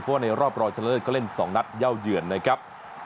เพราะว่าในรอบรองชะเลิศก็เล่น๒นัดเย่าเยือนนะครับ